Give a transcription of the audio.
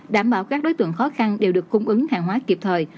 đảm bảo các đối tượng khó khăn đều được cung ứng hàng hóa kịp thời